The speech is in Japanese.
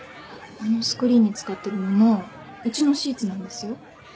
・あのスクリーンに使ってる布うちのシーツなんですよ。